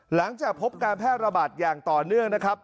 หลังจากพบการแพร่ระบาดอย่างต่อเนื่องนะครับ